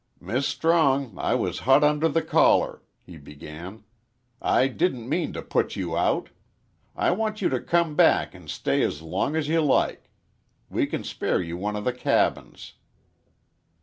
"Miss Strong, I was hot under the collar," he began. "I didn't mean to put you out. I want you to come back and stay as long as you like. We can spare you one of the cabins."